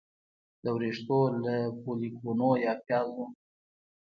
د ویښتو له فولیکونو یا پیازو